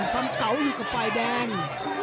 ความเก่าอยู่กับฝ่ายแดง